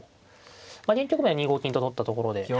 現局面は２五金と取ったところで。